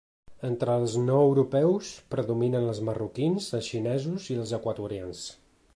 Entre els no europeus, predominen els marroquins, els xinesos i els equatorians.